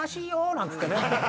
なんつってね。